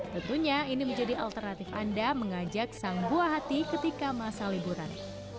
tentunya ini menjadi alternatif anda mengajak sang buah hati ketika masa liburan